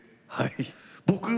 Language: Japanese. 僕？